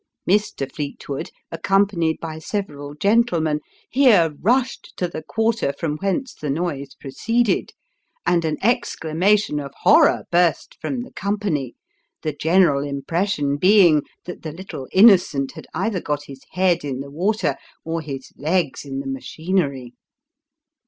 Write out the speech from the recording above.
Mr. Fleetwood, accompanied by several gentlemen, hero rushed to the quarter from whence the noise proceeded, and an exclamation of horror burst from the company; the general impression being, that the little innocent had either got his head in the water, or his legs in the machinery.